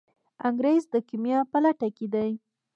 انګریز د کیمیا په لټه کې دی.